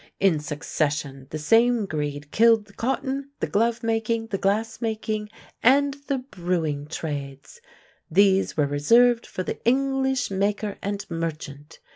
In succession the same greed killed the cotton, the glovemaking, the glassmaking, and the brewing trades. These were reserved for the English maker and merchant.